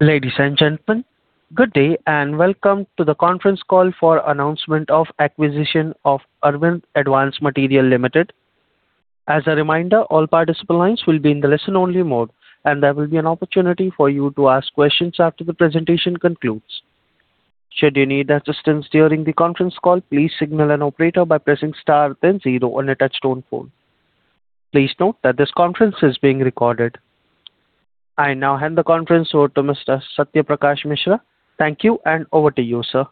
Ladies and gentlemen, good day and welcome to the conference call for announcement of acquisition of Arvind Advanced Materials Limited. As a reminder, all participant lines will be in the listen only mode, and there will be an opportunity for you to ask questions after the presentation concludes. Should you need assistance during the conference call, please signal an operator by pressing star then zero on a touch-tone phone. Please note that this conference is being recorded. I now hand the conference over to Mr. Satya Prakash Mishra. Thank you and over to you, sir.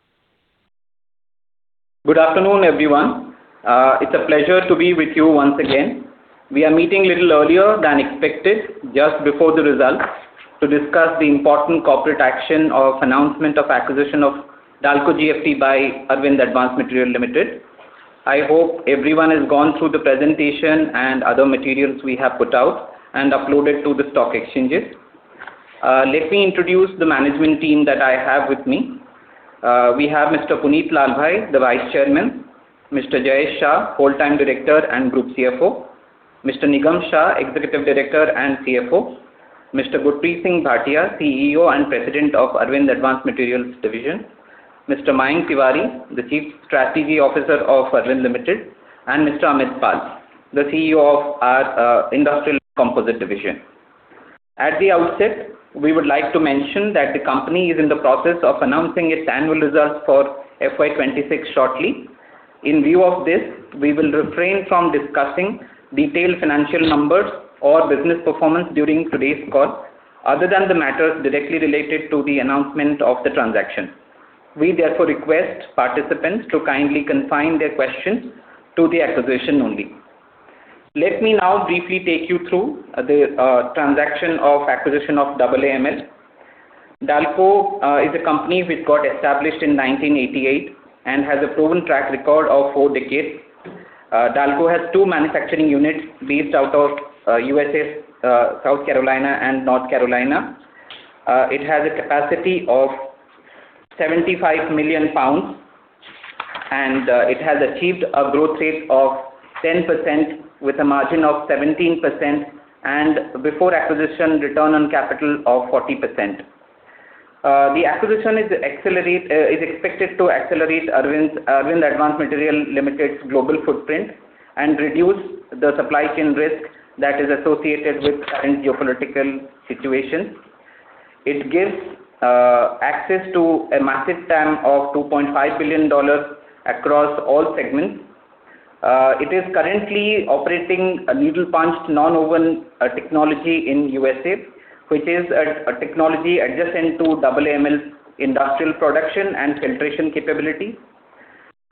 Good afternoon, everyone. It's a pleasure to be with you once again. We are meeting little earlier than expected, just before the results, to discuss the important corporate action of announcement of acquisition of Dalco-GFT by Arvind Advanced Materials Limited. I hope everyone has gone through the presentation and other materials we have put out and uploaded to the stock exchanges. Let me introduce the management team that I have with me. We have Mr. Punit Lalbhai, the Vice Chairman, Mr. Jayesh Shah, Whole-time Director and Group CFO, Mr. Nigam Shah, Executive Director and CFO, Mr. Gurpreet Singh Bhatia, CEO and President of Arvind Advanced Materials division, Mr. Mayank Tiwari, the Chief Strategy Officer of Arvind Limited, and Mr. Amit Pal, the CEO of our industrial composite division. At the outset, we would like to mention that the company is in the process of announcing its annual results for FY 2026 shortly. In view of this, we will refrain from discussing detailed financial numbers or business performance during today's call, other than the matters directly related to the announcement of the transaction. We therefore request participants to kindly confine their questions to the acquisition only. Let me now briefly take you through the transaction of acquisition of AAML. Dalco is a company which got established in 1988 and has a proven track record of four decades. Dalco has two manufacturing units based out of U.S.A., South Carolina and North Carolina. It has a capacity of 75 million pounds, it has achieved a growth rate of 10% with a margin of 17% and before acquisition, return on capital of 40%. The acquisition is expected to accelerate Arvind Advanced Materials Limited's global footprint and reduce the supply chain risk that is associated with current geopolitical situation. It gives access to a massive TAM of $2.5 billion across all segments. It is currently operating a needle-punched nonwoven technology in U.S.A., which is a technology adjacent to AAML industrial production and filtration capability.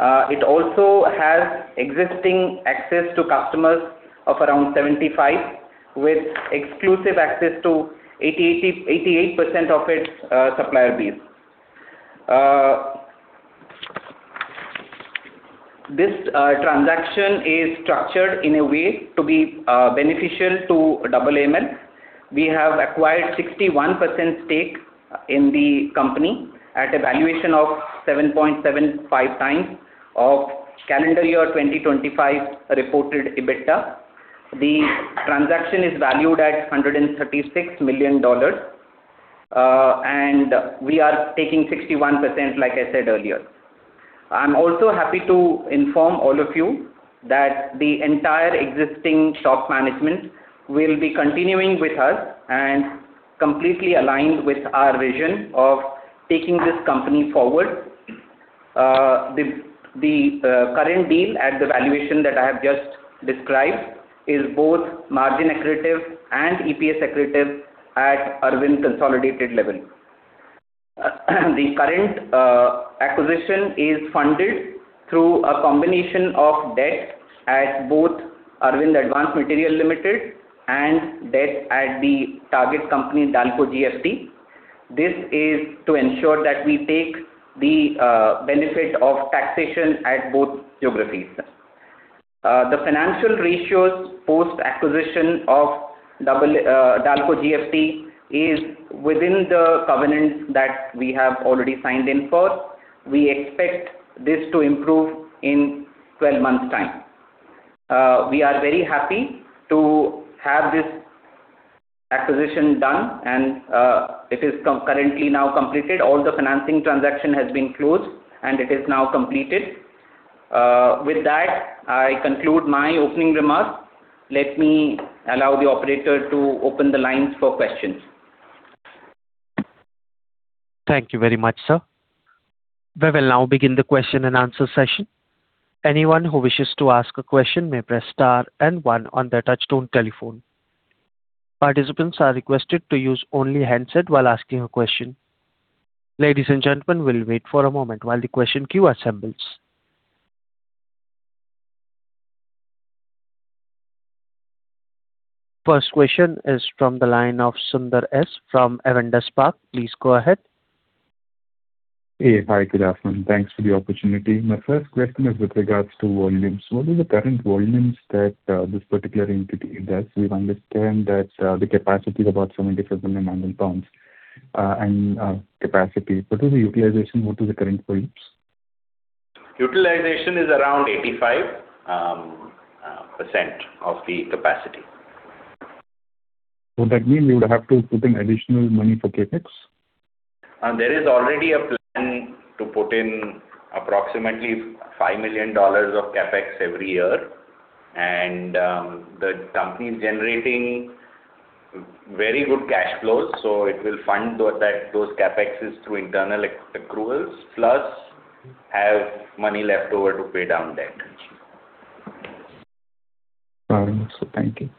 It also has existing access to customers of around 75, with exclusive access to 88% of its supplier base. This transaction is structured in a way to be beneficial to AAML. We have acquired 61% stake in the company at a valuation of 7.75x of calendar year 2025 reported EBITDA. The transaction is valued at $136 million. We are taking 61%, like I said earlier. I'm also happy to inform all of you that the entire existing top management will be continuing with us and completely aligned with our vision of taking this company forward. The current deal at the valuation that I have just described is both margin accretive and EPS accretive at Arvind consolidated level. The current acquisition is funded through a combination of debt at both Arvind Advanced Materials Limited and debt at the target company, Dalco-GFT. This is to ensure that we take the benefit of taxation at both geographies. The financial ratios post-acquisition of Dalco-GFT is within the covenants that we have already signed in for. We expect this to improve in 12 months' time. We are very happy to have this acquisition done and it is currently now completed. All the financing transaction has been closed, and it is now completed. With that, I conclude my opening remarks. Let me allow the operator to open the lines for questions. Thank you very much, sir. We will now begin the question and answer session. Anyone who wishes to ask a question may press star and one on their touch-tone telephone. Participants are requested to use only handset while asking a question. Ladies and gentlemen, we'll wait for a moment while the question queue assembles. First question is from the line of Sundar S from Avendus Spark. Please go ahead. Hey. Hi. Good afternoon. Thanks for the opportunity. My first question is with regards to volumes. What are the current volumes that this particular entity does? We understand that the capacity is about 75 million annual tons and capacity. What is the utilization? What are the current volumes? Utilization is around 85% of the capacity. Would that mean you would have to put in additional money for CapEx? There is already a plan to put in approximately $5 million of CapEx every year. The company is generating very good cash flows, so it will fund those CapExes through internal accruals, plus have money left over to pay down debt. Thank you.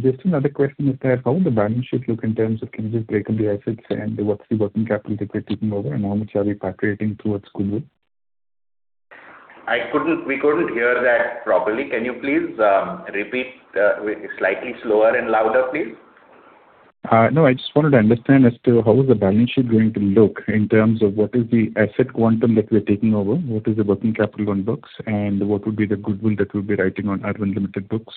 Just another question is that how would the balance sheet look in terms of can you break up the assets and what's the working capital that we're taking over, and how much are we patriating towards goodwill? We couldn't hear that properly. Can you please repeat slightly slower and louder, please? No, I just wanted to understand as to how is the balance sheet going to look in terms of what is the asset quantum that we're taking over, what is the working capital on books, and what would be the goodwill that we'll be writing on Arvind Limited books?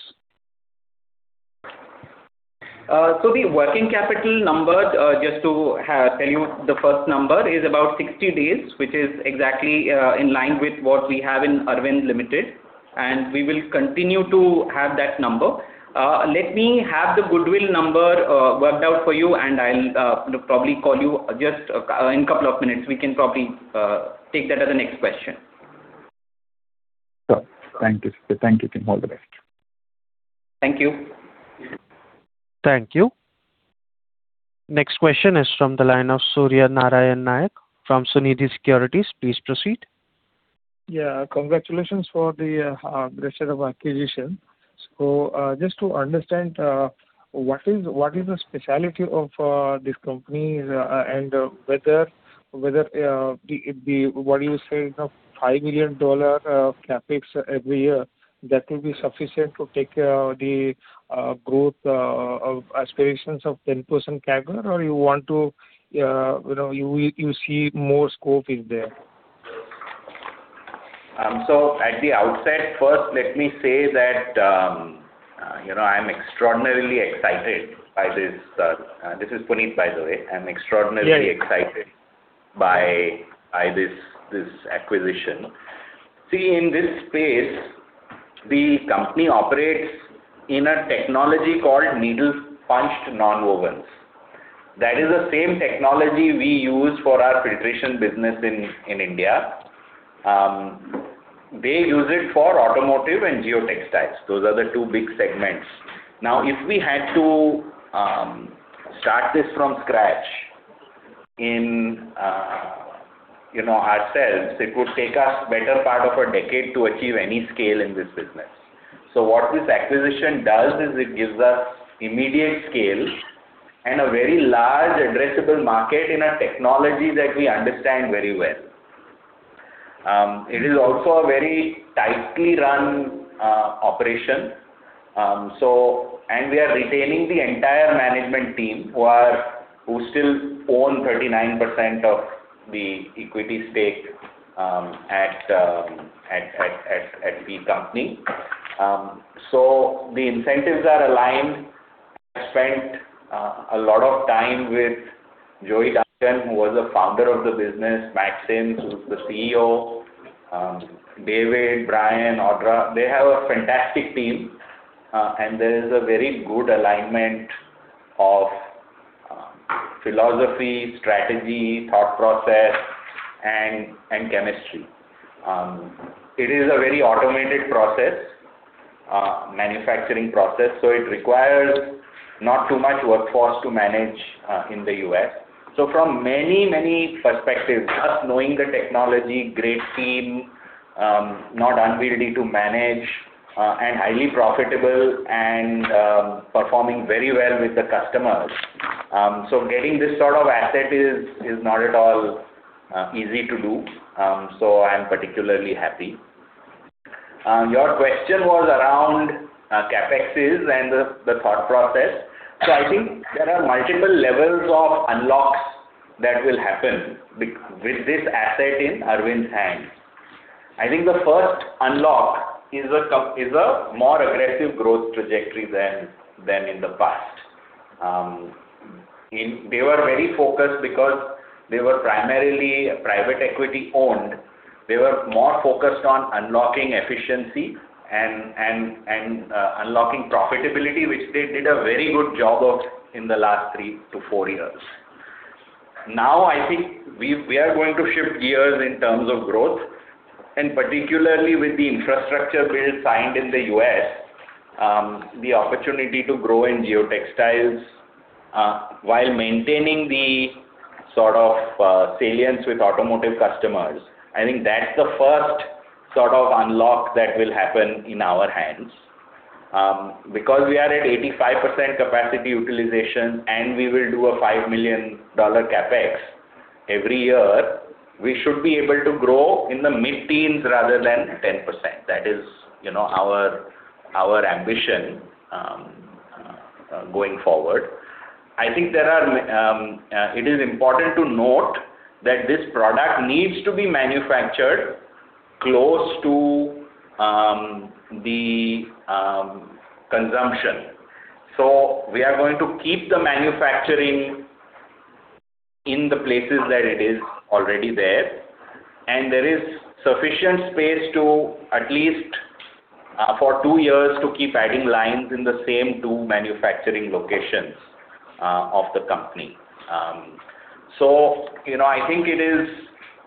The working capital number, just to tell you, the first number is about 60 days, which is exactly in line with what we have in Arvind Limited, and we will continue to have that number. Let me have the goodwill number worked out for you, and I'll probably call you just in two minutes. We can probably take that as the next question. Sure. Thank you. Thank you. All the best. Thank you. Thank you. Next question is from the line of Surya Narayan Nayak from Sunidhi Securities. Please proceed. Yeah. Congratulations for the aggressive acquisition. Just to understand, what is the specialty of this company, and whether the What you say, you know, INR 5 million CapEx every year, that will be sufficient to take the growth of aspirations of 10% CAGR, or you want to, you know, you see more scope is there? At the outset, first let me say that, you know, I am extraordinarily excited by this. This is Punit, by the way. Yeah Excited by this acquisition. In this space, the company operates in a technology called needle-punched nonwovens. That is the same technology we use for our filtration business in India. They use it for automotive and geotextiles. Those are the two big segments. If we had to start this from scratch in ourselves, it would take us better part of a decade to achieve any scale in this business. What this acquisition does is it gives us immediate scale and a very large addressable market in a technology that we understand very well. It is also a very tightly run operation. We are retaining the entire management team who still own 39% of the equity stake at the company. The incentives are aligned. I spent a lot of time with Joey Duncan, who was the founder of the business, Matt Sims, who is the CEO, David, Brian, Audra. They have a fantastic team. There is a very good alignment of philosophy, strategy, thought process and chemistry. It is a very automated process, manufacturing process, so it requires not too much workforce to manage in the U.S. From many, many perspectives, us knowing the technology, great team, not unwieldy to manage, and highly profitable and performing very well with the customers. Getting this sort of asset is not at all easy to do. I am particularly happy. Your question was around CapEx and the thought process. I think there are multiple levels of unlocks that will happen with this asset in Arvind's hands. I think the first unlock is a more aggressive growth trajectory than in the past. They were very focused because they were primarily private equity owned. They were more focused on unlocking efficiency and unlocking profitability, which they did a very good job of in the last three to four years. Now, I think we are going to shift gears in terms of growth and particularly with the infrastructure bill signed in the U.S., the opportunity to grow in geotextiles, while maintaining the sort of salience with automotive customers. I think that's the first sort of unlock that will happen in our hands. Because we are at 85% capacity utilization, we will do a $5 million CapEx every year, we should be able to grow in the mid-teens rather than 10%. That is, you know, our ambition going forward. It is important to note that this product needs to be manufactured close to the consumption. We are going to keep the manufacturing in the places that it is already there. There is sufficient space to at least for two years to keep adding lines in the same two manufacturing locations of the company. You know, I think it is,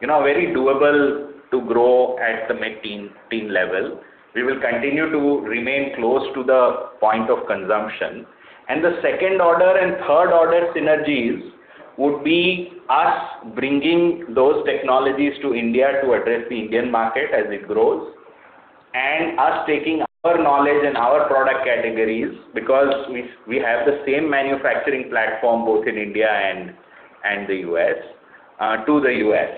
you know, very doable to grow at the mid-teen, teen level. We will continue to remain close to the point of consumption. The second order and third order synergies would be us bringing those technologies to India to address the Indian market as it grows, and us taking our knowledge and our product categories, because we have the same manufacturing platform both in India and the U.S., to the U.S.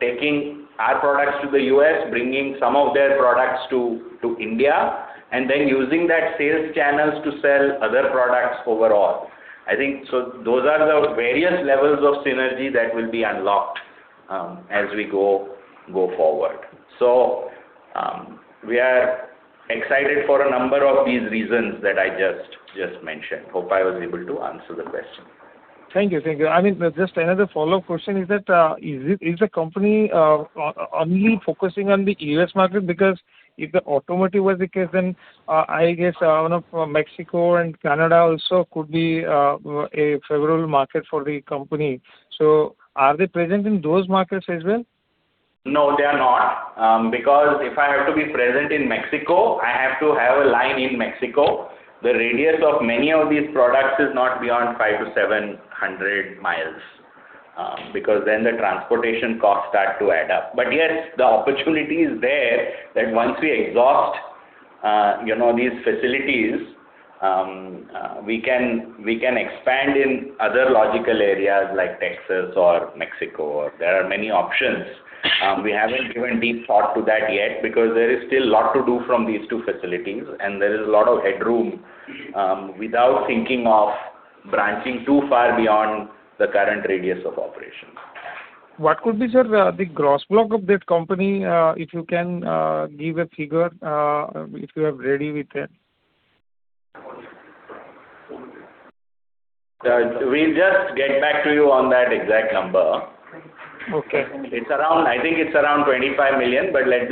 Taking our products to the U.S., bringing some of their products to India, and then using that sales channels to sell other products overall. I think those are the various levels of synergy that will be unlocked as we go forward. We are excited for a number of these reasons that I just mentioned. Hope I was able to answer the question. Thank you. Thank you. I mean, just another follow-up question is that, is the company only focusing on the U.S. market? If the automotive was the case, then, you know, Mexico and Canada also could be a favorable market for the company. Are they present in those markets as well? No, they are not. Because if I have to be present in Mexico, I have to have a line in Mexico. The radius of many of these products is not beyond five to 700 miles, because then the transportation costs start to add up. Yes, the opportunity is there that once we exhaust, you know, these facilities, we can, we can expand in other logical areas like Texas or Mexico. There are many options. We haven't given deep thought to that yet because there is still lot to do from these two facilities, and there is a lot of headroom, without thinking of branching too far beyond the current radius of operation. What could be, sir, the gross block of that company, if you can give a figure, if you are ready with it? We'll just get back to you on that exact number. Okay. It's around I think it's around 25 million, but let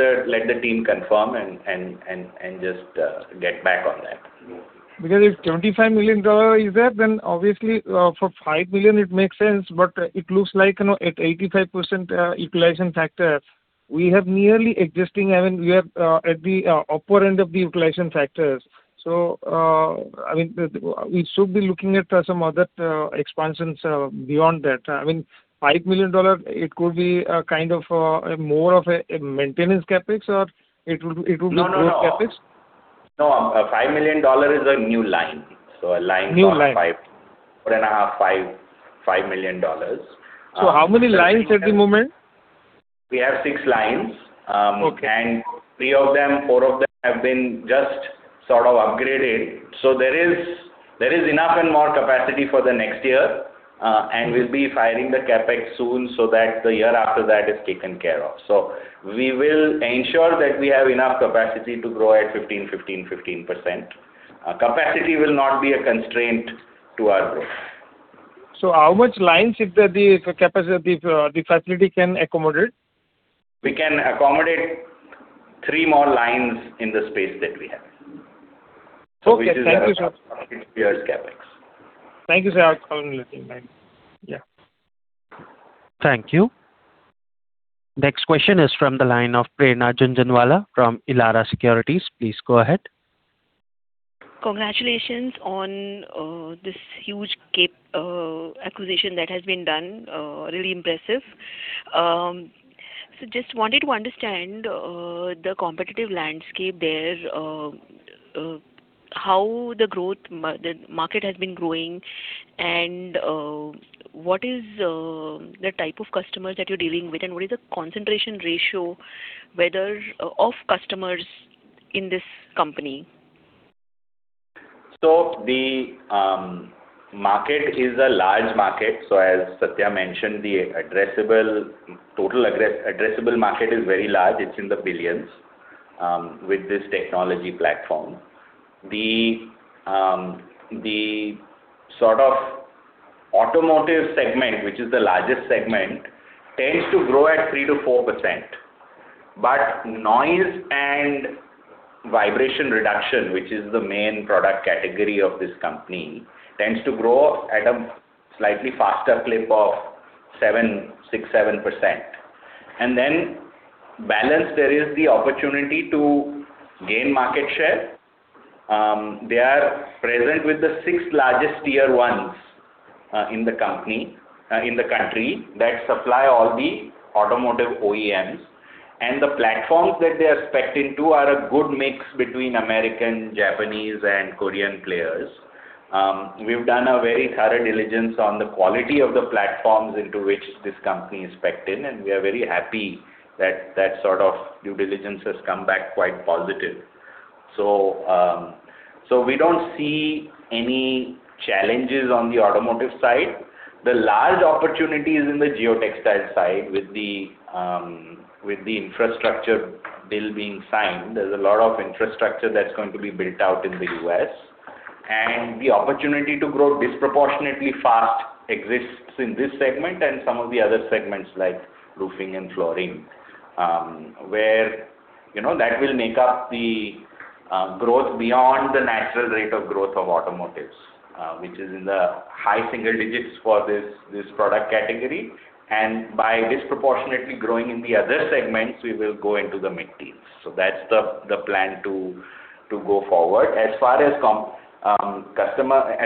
the team confirm and just get back on that. If $25 million is that, then obviously, for $5 million it makes sense. It looks like, you know, at 85% utilization factor, we have nearly existing, I mean, we are at the upper end of the utilization factors. I mean, we should be looking at some other expansions beyond that. I mean, $5 million, it could be kind of more of a maintenance CapEx or it would be growth CapEx? No, no. No. A $5 million is a new line. New line. four and a half million dollars, $5 million. How many lines at the moment? We have six lines. Okay Three of them, four of them have been just sort of upgraded. There is enough and more capacity for the next year, and we'll be filing the CapEx soon so that the year after that is taken care of. We will ensure that we have enough capacity to grow at 15%. Capacity will not be a constraint to our growth. How much lines if the capacity, the facility can accommodate? We can accommodate three more lines in the space that we have. Okay. Thank you, sir. Which is about two years CapEx. Thank you, sir, for calling and listening. Bye. Yeah. Thank you. Next question is from the line of Prerna Jhunjhunwala from Elara Securities. Please go ahead. Congratulations on this huge cap acquisition that has been done. Really impressive. Just wanted to understand the competitive landscape there, how the growth market has been growing and what is the type of customers that you're dealing with, and what is the concentration ratio whether of customers in this company? The market is a large market. As Satya mentioned, the total addressable market is very large. It's in the billions with this technology platform. The sort of automotive segment, which is the largest segment, tends to grow at 3%-4%. Noise and vibration reduction, which is the main product category of this company, tends to grow at a slightly faster clip of 6%-7%. Balance, there is the opportunity to gain market share. They are present with the sixth largest tier ones in the country that supply all the automotive OEMs. The platforms that they are specced into are a good mix between American, Japanese and Korean players. We've done a very thorough diligence on the quality of the platforms into which this company is specced in, and we are very happy that that sort of due diligence has come back quite positive. We don't see any challenges on the automotive side. The large opportunity is in the geotextile side with the infrastructure bill being signed. There's a lot of infrastructure that's going to be built out in the U.S., and the opportunity to grow disproportionately fast exists in this segment and some of the other segments like roofing and flooring. Where, you know, that will make up the growth beyond the natural rate of growth of automotives, which is in the high single digits for this product category. By disproportionately growing in the other segments, we will go into the mid-teens. That's the plan to go forward. As far as customer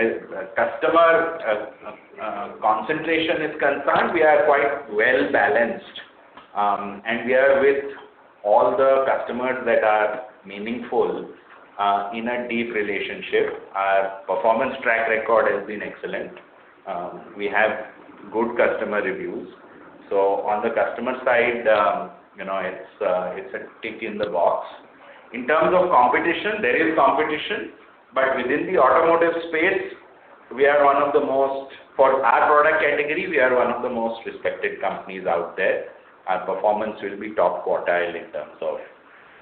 concentration is concerned, we are quite well-balanced. We are with all the customers that are meaningful in a deep relationship. Our performance track record has been excellent. We have good customer reviews. On the customer side, you know, it's a tick in the box. In terms of competition, there is competition, but within the automotive space, for our product category, we are one of the most respected companies out there. Our performance will be top quartile in terms of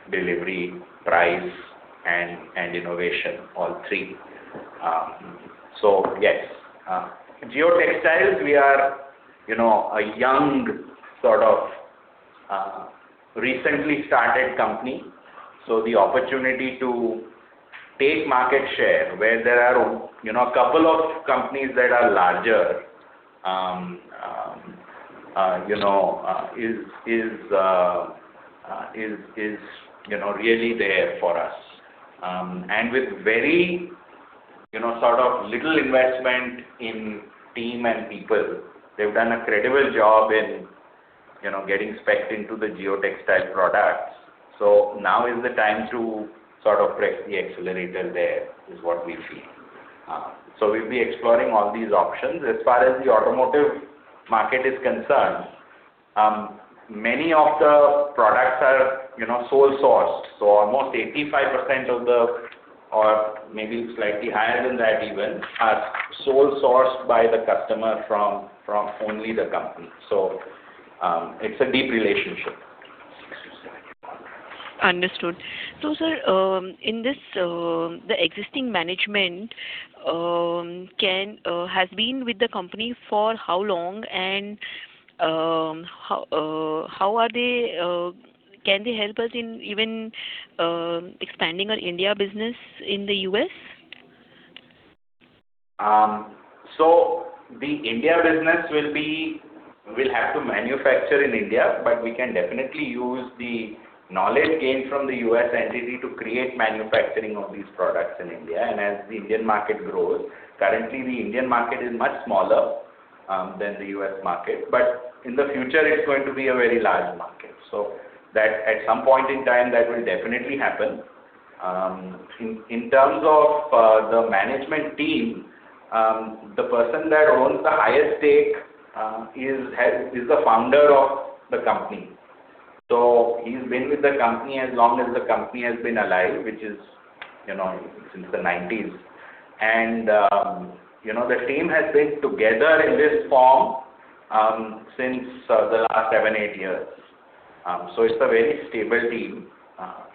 delivery, price and innovation, all three. Yes. Geotextiles, we are, you know, a young sort of recently started company. The opportunity to take market share where there are, you know, a couple of companies that are larger, you know, really there for us. And with very, you know, sort of little investment in team and people, they've done a credible job in, you know, getting spec'd into the geotextile products. Now is the time to sort of press the accelerator there, is what we feel. We'll be exploring all these options. As far as the automotive market is concerned, many of the products are, you know, sole sourced. Almost 85% of the, or maybe slightly higher than that even, are sole sourced by the customer from only the company. It's a deep relationship. Understood. Sir, in this, the existing management has been with the company for how long? How are they, can they help us in even expanding our India business in the U.S.? The India business will be, will have to manufacture in India, but we can definitely use the knowledge gained from the U.S. entity to create manufacturing of these products in India. As the Indian market grows, currently the Indian market is much smaller than the U.S. market. In the future, it's going to be a very large market. That at some point in time, that will definitely happen. In, in terms of the management team, the person that owns the highest stake is the founder of the company. He's been with the company as long as the company has been alive, which is, you know, since the nineties. You know, the team has been together in this form since seven to eight years. It's a very stable team.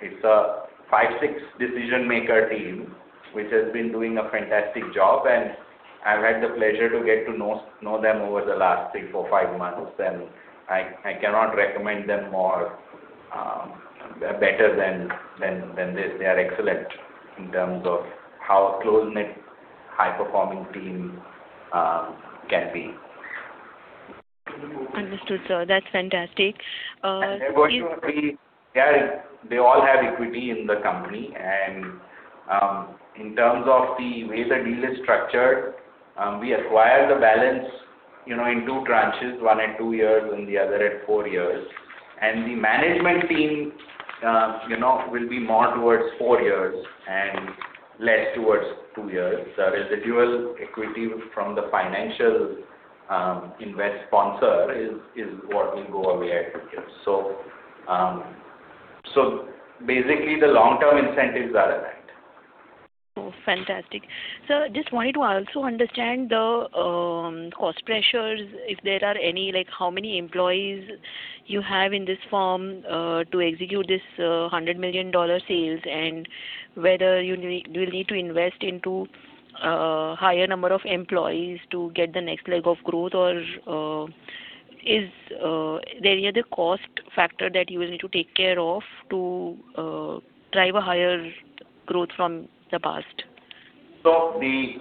It's a five, six decision-maker team, which has been doing a fantastic job, and I've had the pleasure to get to know them over the last three, four, five months, and I cannot recommend them more better than this. They are excellent in terms of how a close-knit, high-performing team can be. Understood, sir. That's fantastic. They are, they all have equity in the company. In terms of the way the deal is structured, we acquire the balance, you know, in two tranches, one at two years and the other at four years. The management team, you know, will be more towards four years and less towards two years. The residual equity from the financial invest sponsor is what will go away at two years. Basically the long-term incentives are aligned. Oh, fantastic. Sir, just wanted to also understand the cost pressures, if there are any, like how many employees you have in this firm, to execute this $100 million sales, and whether you'll need to invest into higher number of employees to get the next leg of growth or is there any other cost factor that you will need to take care of to drive a higher growth from the past? The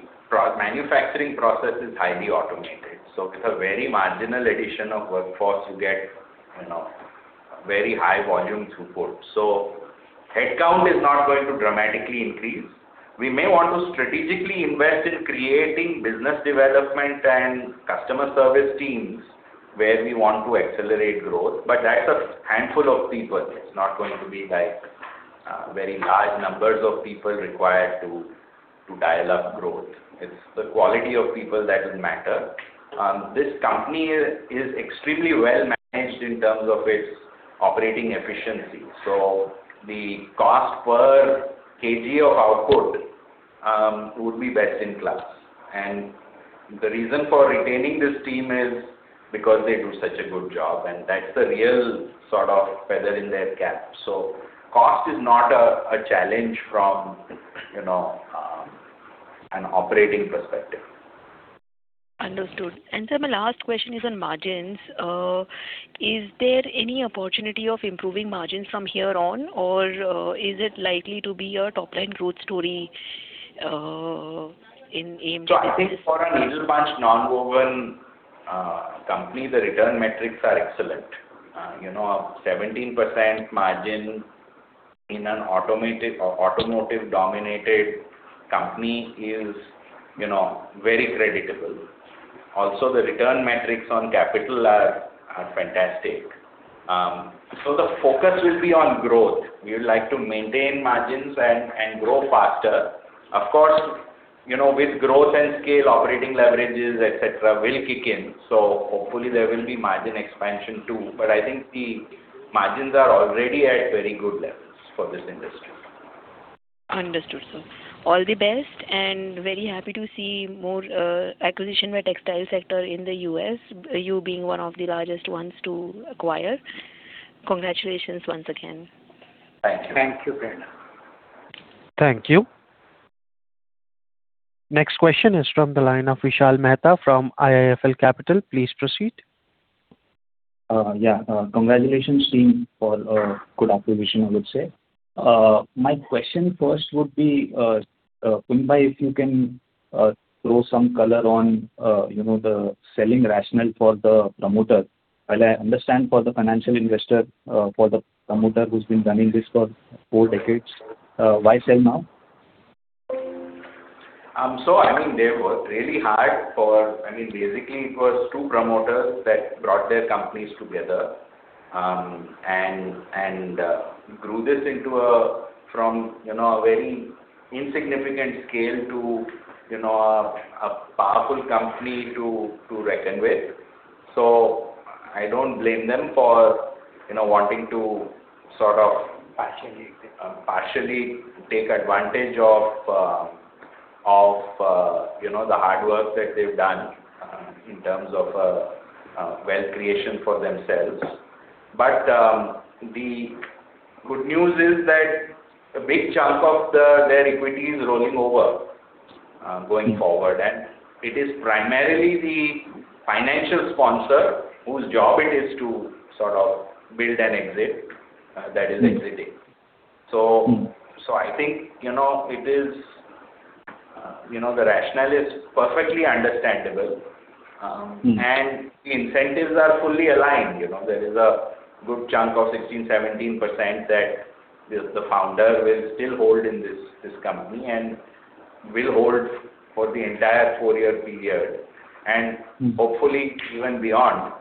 manufacturing process is highly automated, so with a very marginal addition of workforce, you know, you get very high volume throughput. Headcount is not going to dramatically increase. We may want to strategically invest in creating business development and customer service teams where we want to accelerate growth, but that's a handful of people. It's not going to be like very large numbers of people required to dial up growth. It's the quality of people that will matter. This company is extremely well managed in terms of its operating efficiency. The cost per kg of output would be best in class. The reason for retaining this team is because they do such a good job, and that's the real sort of feather in their cap. Cost is not a challenge from, you know, an operating perspective. Understood. Sir, my last question is on margins. Is there any opportunity of improving margins from here on or is it likely to be a top-line growth story in AAML? I think for a needle-punched nonwoven company, the return metrics are excellent. You know, 17% margin in an automated or automotive-dominated company is, you know, very creditable. Also, the return metrics on capital are fantastic. The focus will be on growth. We would like to maintain margins and grow faster. Of course, you know, with growth and scale, operating leverages, et cetera, will kick in. Hopefully, there will be margin expansion, too. I think the margins are already at very good levels for this industry. Understood, sir. All the best. Very happy to see more acquisition by textile sector in the U.S., you being one of the largest ones to acquire. Congratulations once again. Thank you. Thank you, Punit. Thank you. Next question is from the line of Vishal Mehta from IIFL Capital. Please proceed. Yeah. Congratulations team for a good acquisition, I would say. My question first would be, Punit Lalbhai, if you can, throw some color on, you know, the selling rationale for the promoter. While I understand for the financial investor, for the promoter who's been running this for four decades, why sell now? I mean, they worked really hard for I mean, basically it was two promoters that brought their companies together, and grew this into a, from, you know, a very insignificant scale to, you know, a powerful company to reckon with. I don't blame them for, you know, wanting to. Partially Partially take advantage of, you know, the hard work that they've done, in terms of wealth creation for themselves. The good news is that a big chunk of the, their equity is rolling over, going forward. It is primarily the financial sponsor whose job it is to sort of build and exit, that is exiting. So I think, you know, it is, you know, the rationale is perfectly understandable incentives are fully aligned. You know, there is a good chunk of 16%, 17% that the founder will still hold in this company, and will hold for the entire four-year period. Hopefully even beyond,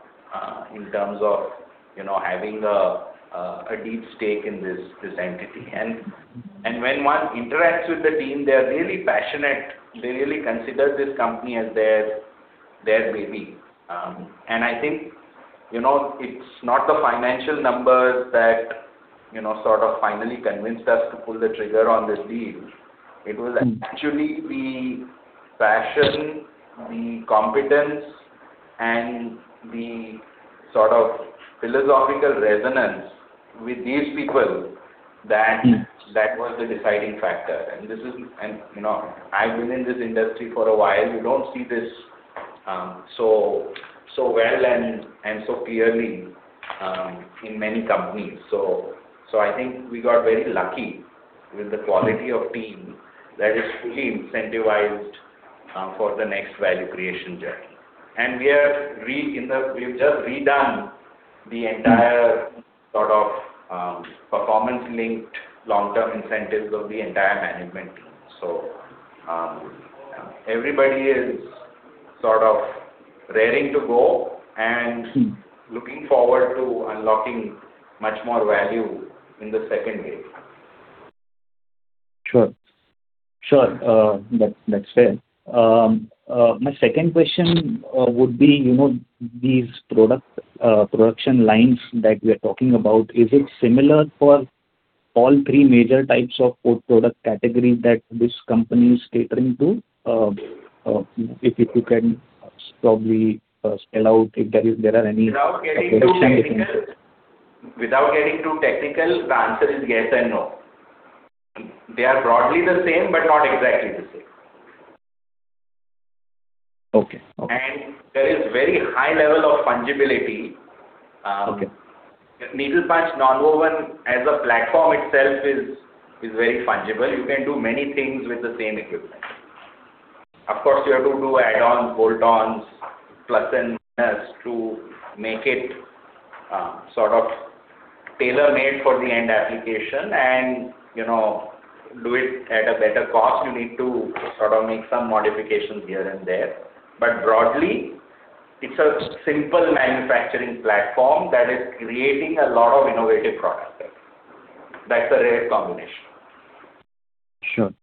in terms of, you know, having a deep stake in this entity. When one interacts with the team, they are really passionate. They really consider this company as their baby. I think, you know, it's not the financial numbers that, you know, sort of finally convinced us to pull the trigger on this deal. It was actually the passion, the competence, and the sort of philosophical resonance with these people that was the deciding factor. You know, I've been in this industry for a while. You don't see this, so well and so clearly, in many companies. I think we got very lucky with the quality of team that is fully incentivized, for the next value creation journey. We've just redone the entire sort of, performance-linked long-term incentives of the entire management team. Everybody is sort of raring to go and looking forward to unlocking much more value in the second wave. Sure. Sure. That, that's fair. My second question would be, you know, these product production lines that we're talking about, is it similar for all three major types of product categories that this company is catering to? If you can probably spell out if there is, there are any- Without getting too technical. application differences. Without getting too technical, the answer is yes and no. They are broadly the same, but not exactly the same. Okay. Okay. There is very high level of fungibility. Okay. Needle-punched nonwoven as a platform itself is very fungible. You can do many things with the same equipment. Of course, you have to do add-ons, bolt-ons, plus and minus to make it sort of tailor-made for the end application and, you know, do it at a better cost. You need to sort of make some modifications here and there. Broadly, it's a simple manufacturing platform that is creating a lot of innovative products. That's a rare combination. Sure.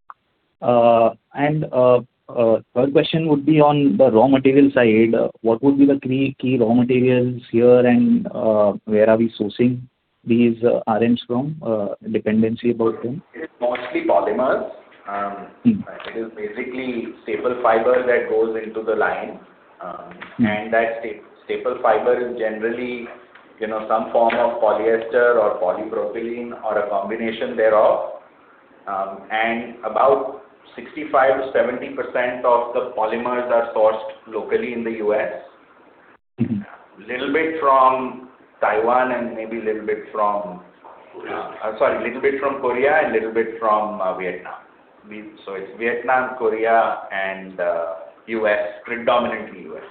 Third question would be on the raw material side. What would be the three key raw materials here, and, where are we sourcing these RMs from, dependency built in? It is mostly polymers and it is basically staple fiber that goes into the line. That staple fiber is generally, you know, some form of polyester or polypropylene or a combination thereof. About 65%-70% of the polymers are sourced locally in the U.S. Little bit from Taiwan and maybe a little bit from- Korea. Sorry, a little bit from Korea and a little bit from Vietnam. It's Vietnam, Korea, and U.S., predominantly U.S.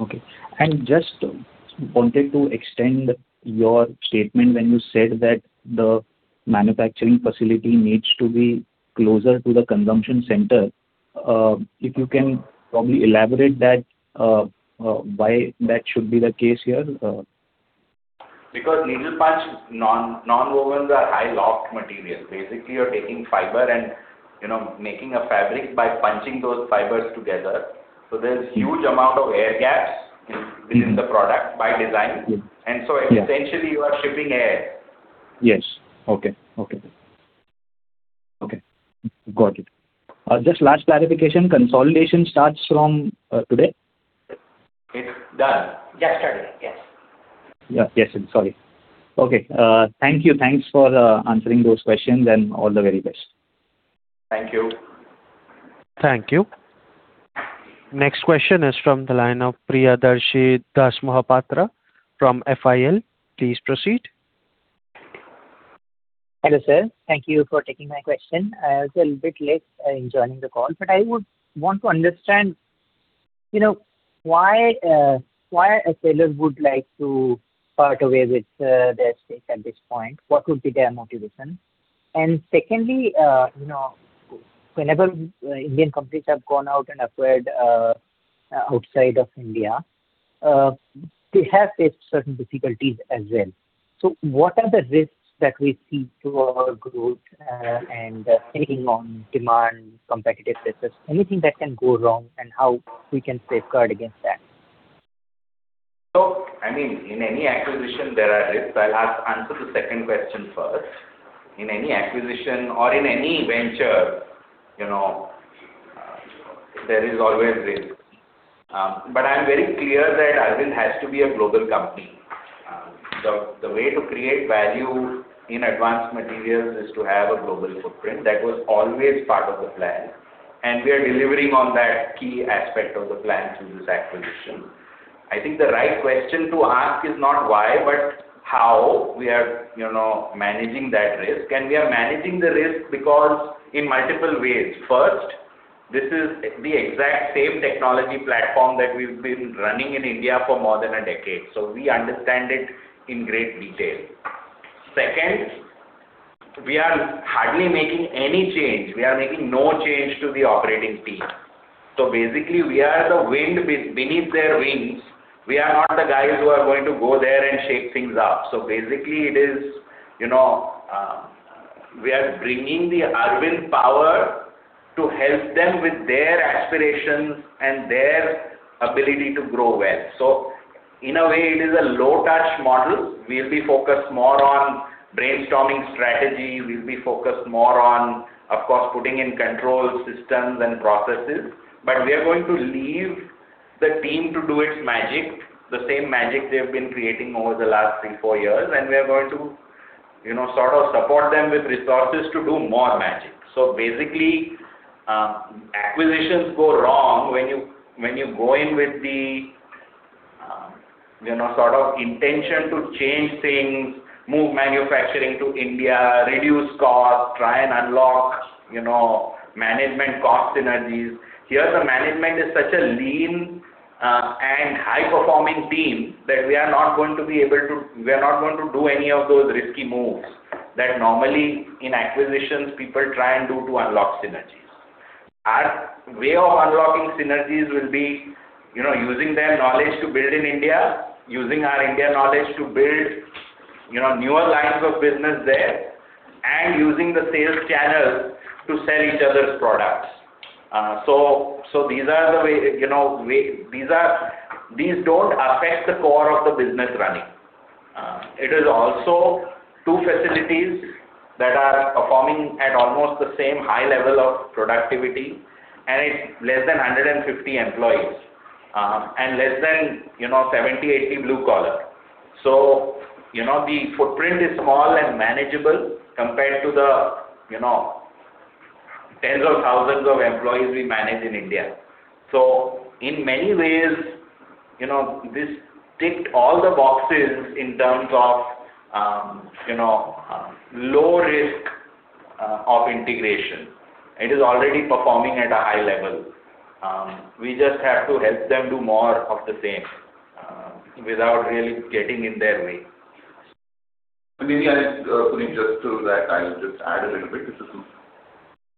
Okay. Just wanted to extend your statement when you said that the manufacturing facility needs to be closer to the consumption center. If you can probably elaborate that, why that should be the case here? Needle-punched nonwovens are high loft material. Basically, you're taking fiber and, you know, making a fabric by punching those fibers together. There's huge amount of air gaps in within the product by design. Yes. Essentially you are shipping air. Yes. Okay. Okay. Okay. Got it. Just last clarification, consolidation starts from today? It's done. Yesterday, yes. Yeah. Yes, sorry. Okay. Thank you. Thanks for answering those questions, and all the very best. Thank you. Thank you. Next question is from the line of Priyadarshee Dasmohapatra from FIL. Please proceed. Hello, sir. Thank you for taking my question. I was a little bit late in joining the call. I would want to understand, you know, why a seller would like to part away with their stake at this point. What would be their motivation? Secondly, you know, whenever Indian companies have gone out and acquired outside of India, they have faced certain difficulties as well. What are the risks that we see to our growth and taking on demand, competitive pressures? Anything that can go wrong and how we can safeguard against that? I mean, in any acquisition there are risks. I'll answer the second question first. In any acquisition or in any venture, you know, there is always risk. I'm very clear that Arvind has to be a global company. The way to create value in Advanced Materials is to have a global footprint. That was always part of the plan, we are delivering on that key aspect of the plan through this acquisition. I think the right question to ask is not why but how we are, you know, managing that risk. We are managing the risk because in multiple ways. First, this is the exact same technology platform that we've been running in India for more than a decade, we understand it in great detail. Second, we are hardly making any change. We are making no change to the operating team. Basically, we are the wind beneath their wings. We are not the guys who are going to go there and shake things up. Basically, it is, you know, we are bringing the Arvind power to help them with their aspirations and their ability to grow well. In a way, it is a low-touch model. We'll be focused more on brainstorming strategy. We'll be focused more on, of course, putting in control systems and processes. We are going to leave the team to do its magic, the same magic they've been creating over the last three, four years, and we are going to, you know, sort of support them with resources to do more magic. Basically, acquisitions go wrong when you go in with the, you know, sort of intention to change things, move manufacturing to India, reduce cost, try and unlock, you know, management cost synergies. Here, the management is such a lean and high-performing team that we are not going to do any of those risky moves that normally in acquisitions people try and do to unlock synergies. Our way of unlocking synergies will be, you know, using their knowledge to build in India, using our India knowledge to build, you know, newer lines of business there, and using the sales channels to sell each other's products. These are the way, you know, way These don't affect the core of the business running. It is also two facilities that are performing at almost the same high level of productivity, and it's less than 150 employees, and less than 70, 80 blue collar. The footprint is small and manageable compared to the tens of thousands of employees we manage in India. In many ways, this ticked all the boxes in terms of low risk of integration. It is already performing at a high level. We just have to help them do more of the same without really getting in their way. Maybe I, Punit, just to that, I'll just add a little bit. This is,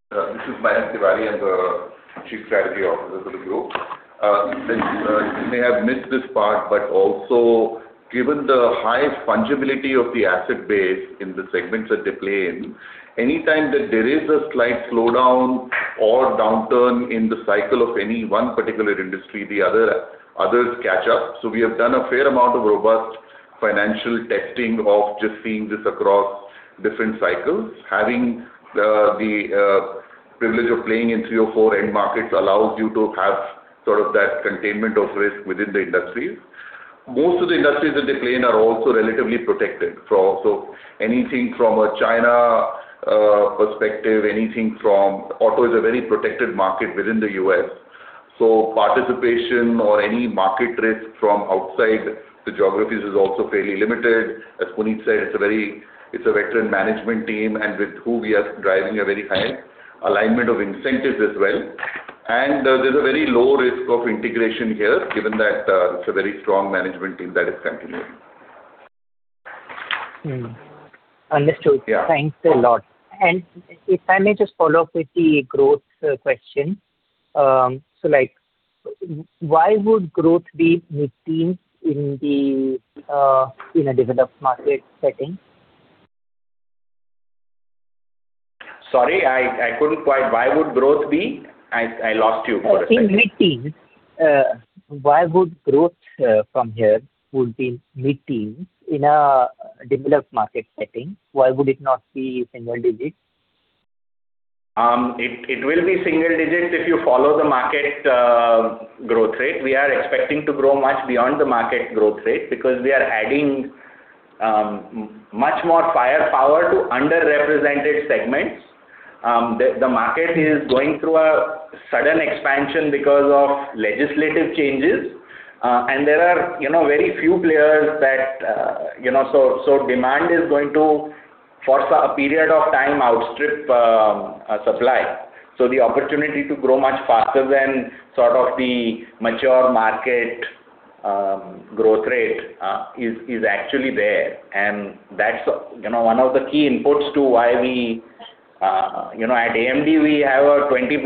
this is Mayank Tiwari. I'm the Chief Strategy Officer for the group. Since you may have missed this part, but also given the high fungibility of the asset base in the segments that they play in, any time that there is a slight slowdown or downturn in the cycle of any one particular industry, the others catch up. We have done a fair amount of robust financial testing of just seeing this across different cycles. Having the privilege of playing in three or four end markets allows you to have sort of that containment of risk within the industries. Most of the industries that they play in are also relatively protected from anything from a China perspective. Auto is a very protected market within the U.S., so participation or any market risk from outside the geographies is also fairly limited. As Punit said, it's a very veteran management team, and with who we are driving a very high alignment of incentives as well. There's a very low risk of integration here, given that it's a very strong management team that is continuing. Mm-hmm. Understood. Yeah. Thanks a lot. If I may just follow up with the growth question. Like, why would growth be mid-teens in a developed market setting? Sorry, I couldn't quite. Why would growth be? I lost you for a second. In mid-teens, why would growth from here would be mid-teens in a developed market setting? Why would it not be single digits? It, it will be single digits if you follow the market growth rate. We are expecting to grow much beyond the market growth rate because we are adding much more firepower to underrepresented segments. The, the market is going through a sudden expansion because of legislative changes. There are, you know, very few players that, you know, so demand is going to, for a period of time, outstrip supply. The opportunity to grow much faster than sort of the mature market growth rate is actually there. That's, you know, one of the key inputs to why we, you know, at AMD we have a 20+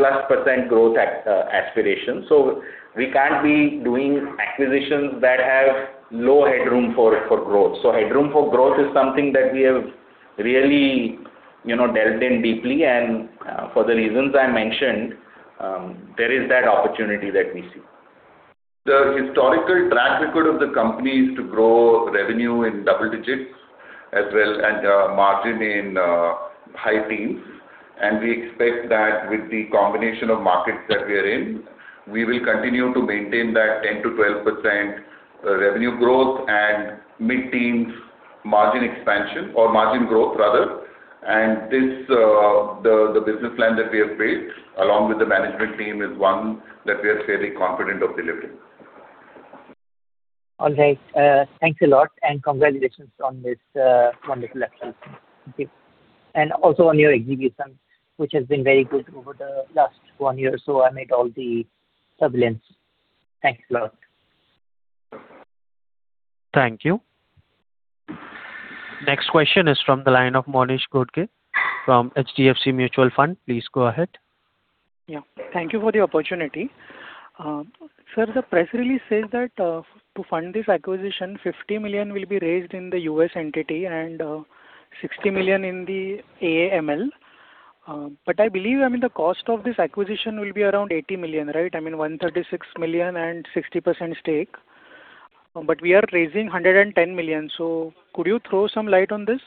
% growth aspiration. We can't be doing acquisitions that have low headroom for growth. Headroom for growth is something that we have really, you know, delved in deeply. For the reasons I mentioned, there is that opportunity that we see. The historical track record of the company is to grow revenue in double digits as well as margin in high teens. We expect that with the combination of markets that we are in, we will continue to maintain that 10%-12% revenue growth and mid-teens margin expansion or margin growth rather. This, the business plan that we have made along with the management team is one that we are fairly confident of delivering. All right. Thanks a lot. Congratulations on this wonderful acquisition. Okay. Also on your execution, which has been very good over the last one year or so amid all the turbulence. Thanks a lot. Thank you. Next question is from the line of Monish Ghodke from HDFC Mutual Fund. Please go ahead. Yeah. Thank you for the opportunity. Sir, the press release says that to fund this acquisition, 50 million will be raised in the U.S. entity and 60 million in the AAML. I believe, I mean, the cost of this acquisition will be around 80 million, right? I mean, $136 million and 60% stake, we are raising 110 million. Could you throw some light on this?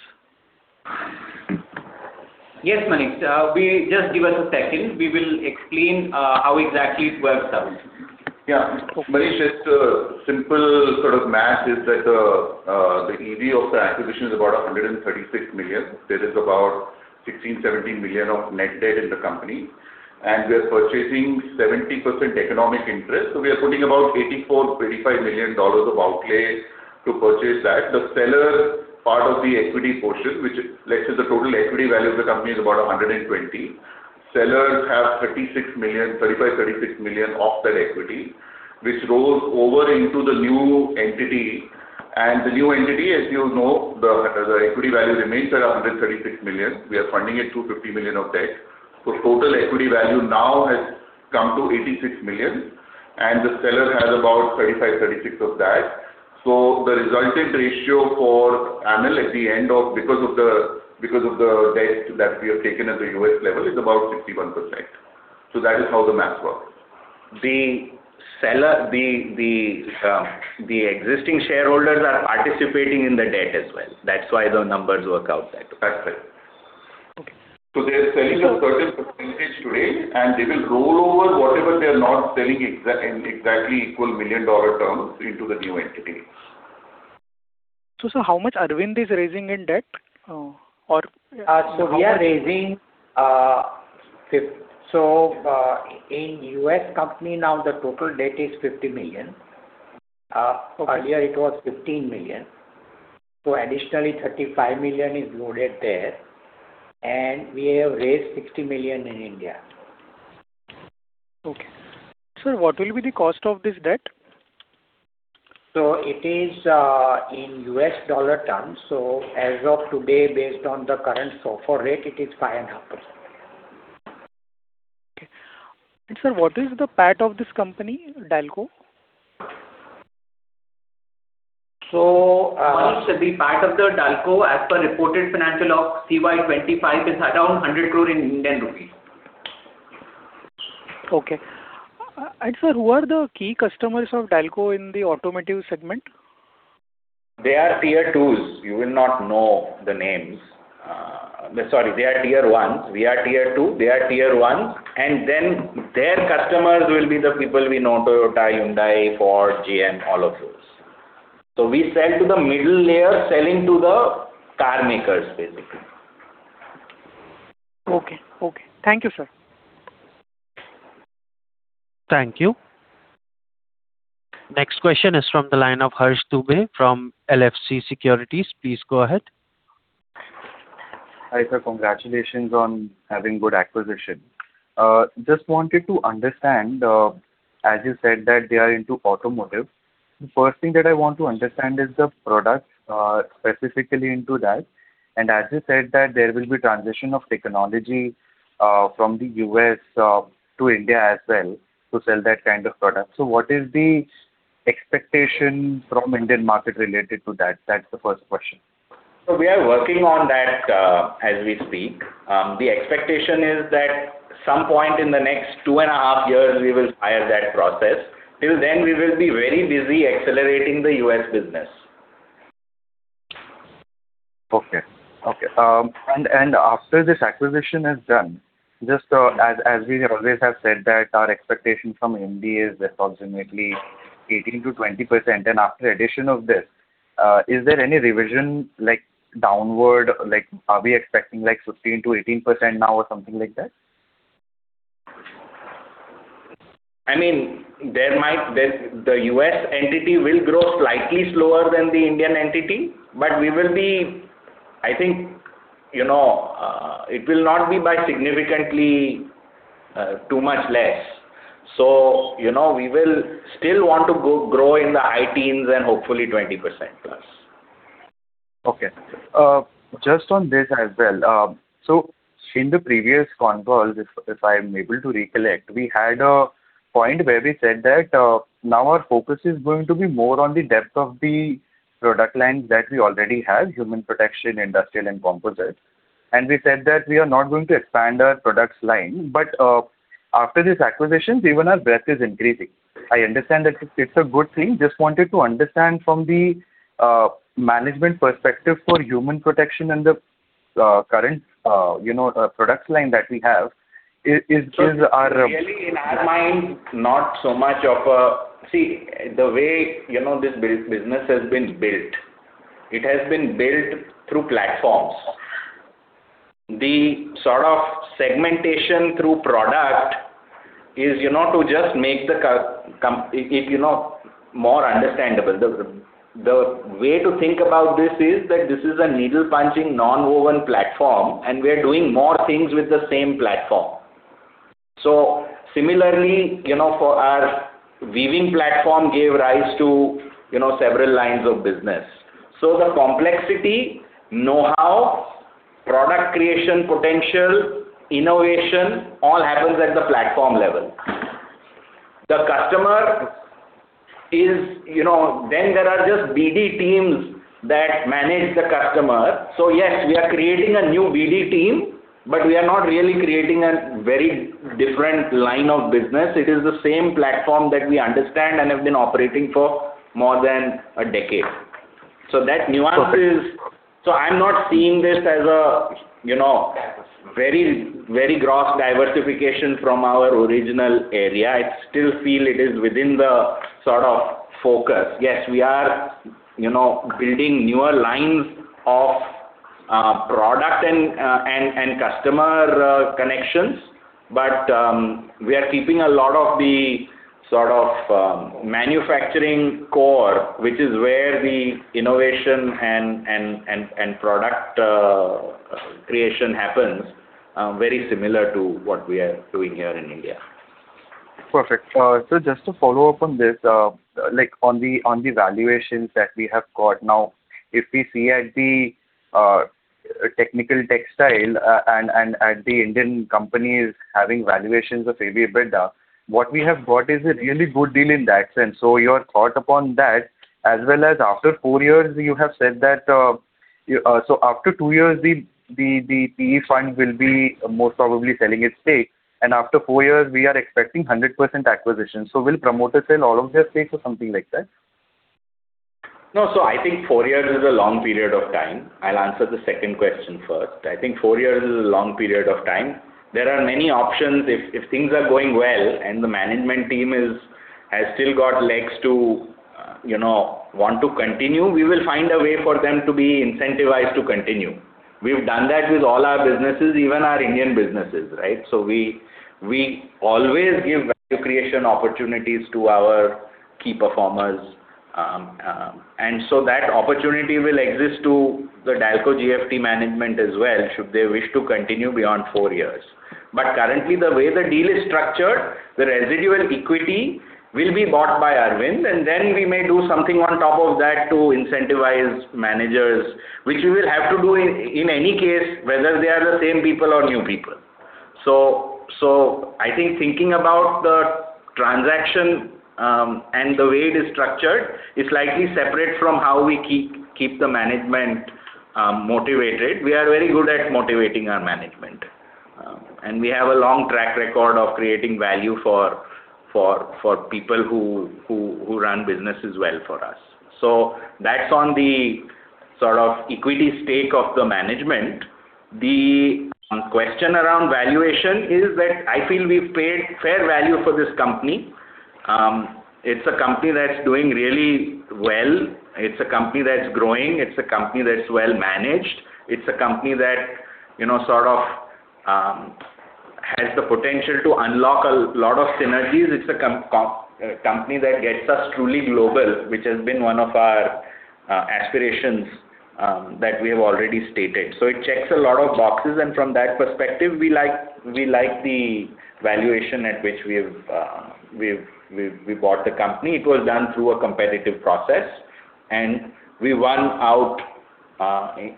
Yes, Monish. Just give us a second. We will explain how exactly it works out. Yeah. Okay. Monish, it's a simple sort of Math is that the EV of the acquisition is about $136 million. There is about $16 million-$17 million of net debt in the company, and we are purchasing 70% economic interest. We are putting about $84.5 million of outlay to purchase that. The seller part of the equity portion, which let's say the total equity value of the company is about $120 million. Sellers have $35 million-$36 million of that equity, which rolls over into the new entity. The new entity, as you know, the equity value remains at $136 million. We are funding it through $50 million of debt. Total equity value now has come to $86 million, and the seller has about $35 million-$36 million of that. The resulting ratio for AAML because of the debt that we have taken at the U.S. level is about 61%. That is how the math work. The seller, the existing shareholders are participating in the debt as well. That's why the numbers work out that way. That's right. Okay. They're selling a certain percentage today, and they will roll over whatever they are not selling exactly equal million-dollar terms into the new entity. Sir, how much Arvind is raising in debt? In U.S. company now, the total debt is $50 million. Okay. Earlier it was 15 million. Additionally, 35 million is loaded there. We have raised 60 million in India. Okay. Sir, what will be the cost of this debt? It is in US dollar terms. As of today, based on the current forward rate, it is 5.5 %. Okay. Sir, what is the PAT of this company, Dalco? So, uh- Monish, the PAT of the Dalco as per reported financial of CY 2025 is around 100 crore. Okay. sir, who are the key customers of Dalco in the automotive segment? They are Tier 2s. You will not know the names. Sorry, they are Tier 1s. We are Tier 2, they are Tier 1, and then their customers will be the people we know, Toyota, Hyundai, Ford, GM, all of those. We sell to the middle layer selling to the car makers, basically. Okay. Okay. Thank you, sir. Thank you. Next question is from the line of Harsh Dubey from LFC Securities. Please go ahead. Hi, sir. Congratulations on having good acquisition. Just wanted to understand, as you said that they are into automotive. The first thing that I want to understand is the product specifically into that. As you said that there will be transition of technology from the U.S. to India as well to sell that kind of product. What is the expectation from Indian market related to that? That's the first question. We are working on that as we speak. The expectation is that some point in the next 2.5 years, we will hire that process. Till then, we will be very busy accelerating the U.S. business. Okay. Okay. After this acquisition is done, just as we always have said that our expectation from India is approximately 18%-20%, and after addition of this, is there any revision like downward? Like, are we expecting like 16%-18% now or something like that? I mean, the U.S. entity will grow slightly slower than the Indian entity, but we will be, I think, you know, it will not be by significantly too much less. You know, we will still want to grow in the high teens and hopefully 20%+. Okay. Just on this as well. In the previous con call, if I'm able to recollect, we had a point where we said that, now our focus is going to be more on the depth of the product lines that we already have, human protection, industrial and composite. We said that we are not going to expand our products line. After this acquisition, even our breadth is increasing. I understand that it's a good thing. Just wanted to understand from the management perspective for human protection and the current, you know, product line that we have. Really in our mind, not so much of a, the way, you know, this business has been built, it has been built through platforms. The sort of segmentation through product is, you know, to just make more understandable. The way to think about this is that this is a needle-punched nonwoven platform. We are doing more things with the same platform. Similarly, you know, for our weaving platform gave rise to, you know, several lines of business. The complexity, know-how, product creation potential, innovation, all happens at the platform level. The customer is, you know, there are just BD teams that manage the customer. Yes, we are creating a new BD team, but we are not really creating a very different line of business. It is the same platform that we understand and have been operating for more than a decade. Perfect. I'm not seeing this as a, you know, very, very gross diversification from our original area. I still feel it is within the sort of focus. Yes, we are, you know, building newer lines of product and, customer connections. We are keeping a lot of the sort of manufacturing core, which is where the innovation and, and product creation happens, very similar to what we are doing here in India. Perfect. Just to follow up on this, like on the valuations that we have got now, if we see at the technical textile, and at the Indian companies having valuations of EBITDA, what we have got is a really good deal in that sense. Your thought upon that as well as after four years, you have said that, you, after two years, the PE fund will be most probably selling its stake, and after four years we are expecting 100% acquisition. Will promoter sell all of their stakes or something like that? No. I think four years is a long period of time. I'll answer the second question first. I think four years is a long period of time. There are many options. If things are going well and the management team has still got legs to, you know, want to continue, we will find a way for them to be incentivized to continue. We've done that with all our businesses, even our Indian businesses, right? We always give value creation opportunities to our key performers. That opportunity will exist to the Dalco-GFT management as well should they wish to continue beyond four years. Currently, the way the deal is structured, the residual equity will be bought by Arvind, and then we may do something on top of that to incentivize managers, which we will have to do in any case, whether they are the same people or new people. I think thinking about the transaction, and the way it is structured is slightly separate from how we keep the management motivated. We are very good at motivating our management. We have a long track record of creating value for people who run businesses well for us. That's on the sort of equity stake of the management. The question around valuation is that I feel we've paid fair value for this company. It's a company that's doing really well. It's a company that's growing. It's a company that's well-managed. It's a company that, you know, sort of, has the potential to unlock a lot of synergies. It's a company that gets us truly global, which has been one of our aspirations that we have already stated. It checks a lot of boxes, and from that perspective, we like the valuation at which we've, we bought the company. It was done through a competitive process, and we won out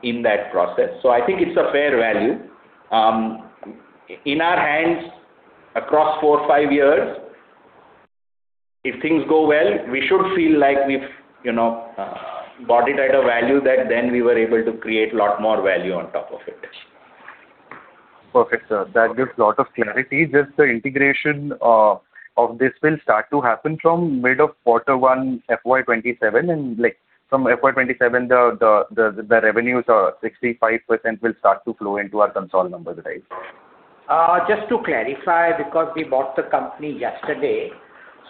in that process. I think it's a fair value. In our hands, across four, five years, if things go well, we should feel like we've, you know, bought it at a value that then we were able to create a lot more value on top of it. Perfect, sir. That gives lot of clarity. Just the integration of this will start to happen from mid of quarter one, FY 2027, and like from FY 2027 the revenues are 65% will start to flow into our consolidated numbers, right? Just to clarify, because we bought the company yesterday,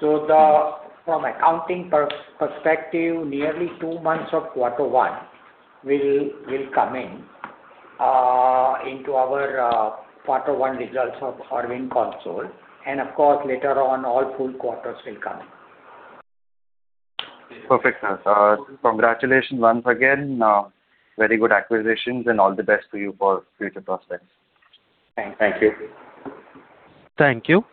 so from accounting perspective, nearly two months of quarter one will come in into our quarter one results of Arvind Limited. Of course, later on, all full quarters will come in. Perfect, sir. Congratulations once again. Very good acquisitions, and all the best to you for future prospects. Thank you. Thank you.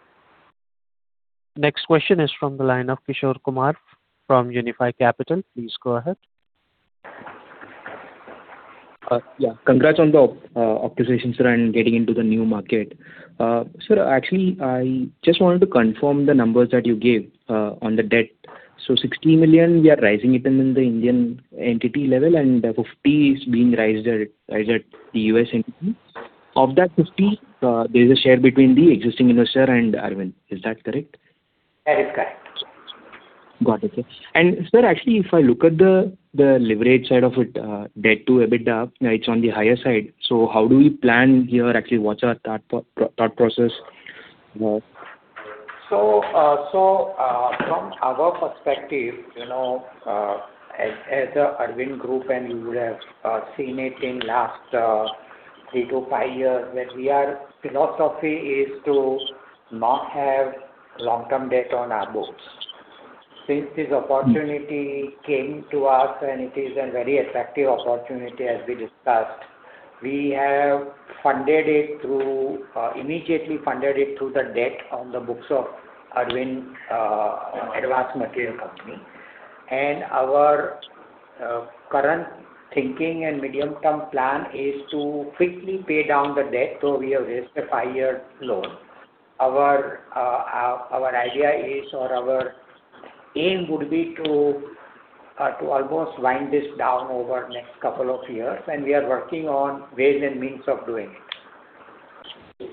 Next question is from the line of Kishore Kumar from Unifi Capital. Please go ahead. Yeah. Congrats on the acquisition, sir, and getting into the new market. Sir, actually, I just wanted to confirm the numbers that you gave on the debt. 60 million, we are raising it in the Indian entity level and 50 million is being raised at the U.S. entity. Of that 50 million, there's a share between the existing investor and Arvind. Is that correct? That is correct. Got it, sir. Sir, actually, if I look at the leverage side of it, debt to EBITDA, it's on the higher side. How do we plan here? Actually, what's our thought process? From our perspective, you know, as a Arvind Group, and you would have seen it in last three to five years, that our philosophy is to not have long-term debt on our books. Since this opportunity came to us, and it is a very attractive opportunity, as we discussed, we have funded it through immediately funded it through the debt on the books of Arvind Advanced Materials company. Our current thinking and medium-term plan is to quickly pay down the debt. We have raised a five-year loan. Our idea is, or our aim would be to almost wind this down over next couple of years, and we are working on ways and means of doing it.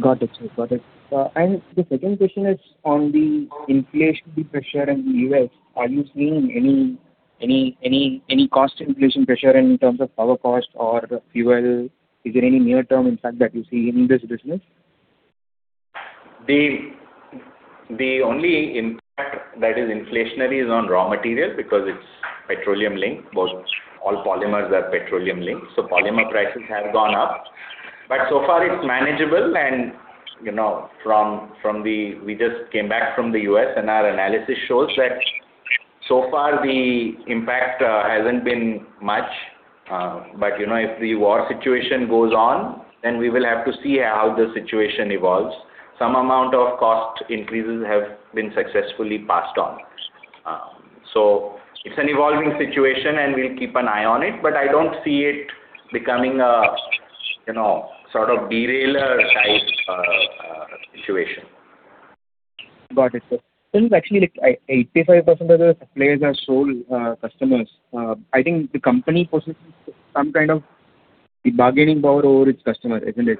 Got it, sir. Got it. The second question is on the inflationary pressure in the U.S. Are you seeing any cost inflation pressure in terms of power cost or fuel? Is there any near-term impact that you see in this business? The only impact that is inflationary is on raw material because it's petroleum linked. All polymers are petroleum linked. Polymer prices have gone up. So far it's manageable and, you know, from the U.S., and our analysis shows that so far the impact hasn't been much. You know, if the war situation goes on, then we will have to see how the situation evolves. Some amount of cost increases have been successfully passed on. It's an evolving situation, and we'll keep an eye on it. I don't see it becoming a, you know, sort of derailer type situation. Got it, sir. Since actually like 85% of the suppliers are sole customers, I think the company possesses some kind of bargaining power over its customer, isn't it?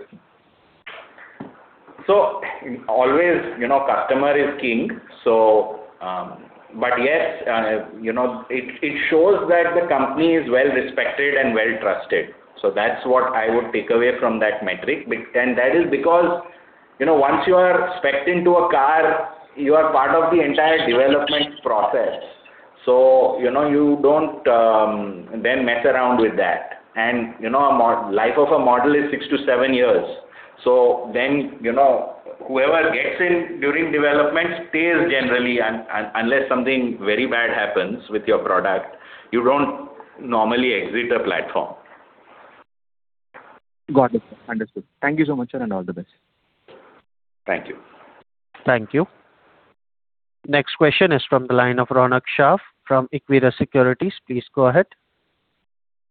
Always, you know, customer is king. But yes, you know, it shows that the company is well-respected and well-trusted. That's what I would take away from that metric. That is because, you know, once you are specced into a car, you are part of the entire development process. You know, you don't, then mess around with that. You know, a life of a model is six to seven years. Then, you know, whoever gets in during development stays generally unless something very bad happens with your product, you don't normally exit a platform. Got it, sir. Understood. Thank you so much, sir, and all the best. Thank you. Thank you. Next question is from the line of Ronak Shah from Equirus Securities. Please go ahead.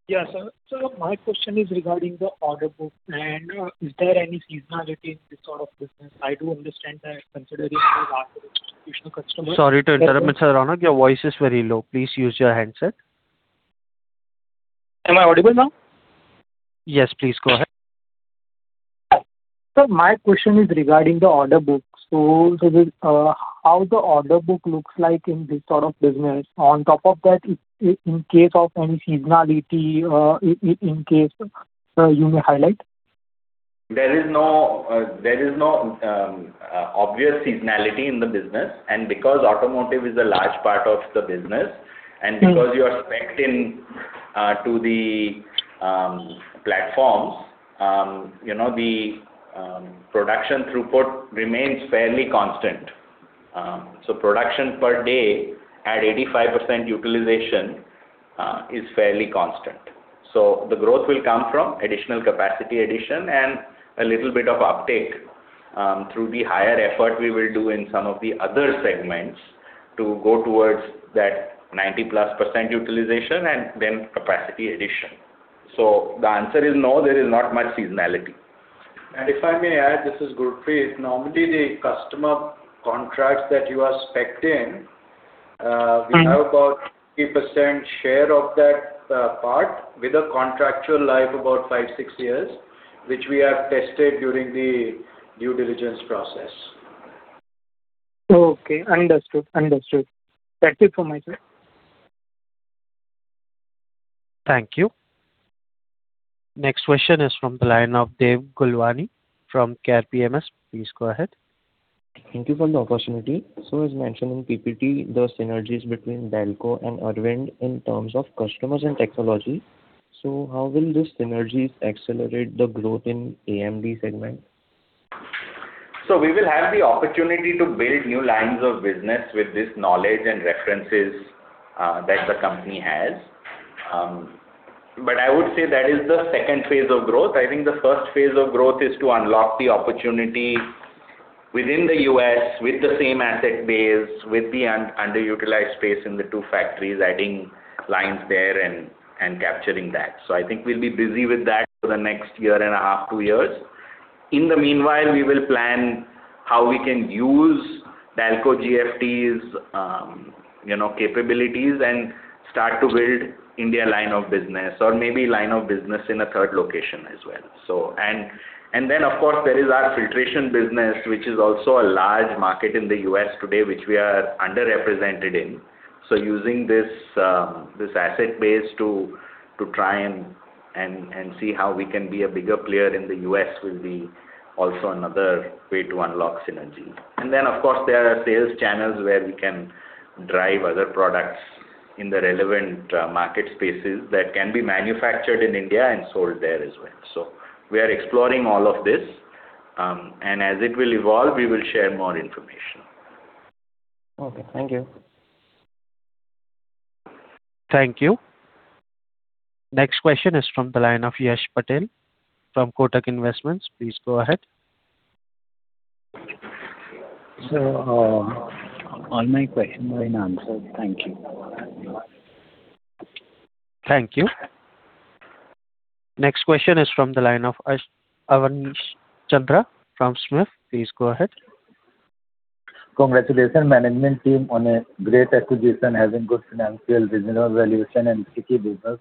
Yeah, sir. My question is regarding the order book, and is there any seasonality in this sort of business? I do understand that considering the large distribution customer. Sorry to interrupt, Mr. Ronak. Your voice is very low. Please use your handset. Am I audible now? Yes, please go ahead. Sir, my question is regarding the order book. How the order book looks like in this sort of business? On top of that, in case of any seasonality, in case, you may highlight? There is no obvious seasonality in the business. Because automotive is a large part of the business. Because you are spec'd in to the platforms, you know, the production throughput remains fairly constant. Production per day at 85% utilization is fairly constant. The growth will come from additional capacity addition and a little bit of uptake through the higher effort we will do in some of the other segments to go towards that 90+ % utilization and then capacity addition. The answer is no, there is not much seasonality. If I may add, this is Gurpreet Singh Bhatia. Normally, the customer contracts that you are spec'd in. we have about 30% share of that part with a contractual life about five, six years, which we have tested during the due diligence process. Okay, understood. Understood. That's it from my side. Thank you. Next question is from the line of Dev Gulwani from Care PMS. Please go ahead. Thank you for the opportunity. As mentioned in PPT, the synergies between Dalco and Arvind in terms of customers and technology. How will these synergies accelerate the growth in AMD segment? We will have the opportunity to build new lines of business with this knowledge and references that the company has. I would say that is the 2nd phase of growth. I think the 1st phase of growth is to unlock the opportunity within the U.S. with the same asset base, with the underutilized space in the two factories, adding lines there and capturing that. I think we'll be busy with that for the next 1.5, two years. In the meanwhile, we will plan how we can use Dalco-GFT's, you know, capabilities and start to build India line of business or maybe line of business in a 3rd location as well. Then of course, there is our filtration business, which is also a large market in the U.S. today, which we are underrepresented in. Using this asset base to try and see how we can be a bigger player in the U.S. will be also another way to unlock synergy. Of course, there are sales channels where we can drive other products in the relevant market spaces that can be manufactured in India and sold there as well. We are exploring all of this, and as it will evolve, we will share more information. Okay. Thank you. Thank you. Next question is from the line of Yash Patel from Kotak Investments. Please go ahead. All my question were answered. Thank you. Thank you. Next question is from the line of Awanish Chandra from Smifs. Please go ahead. Congratulations management team on a great acquisition, having good financial reasonable valuation and sticky business.